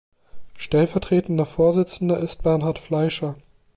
Stellvertretender Vorsitzender ist Bernhard Fleischer.